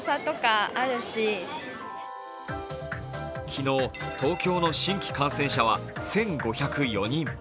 昨日、東京の新規感染者は１５０４人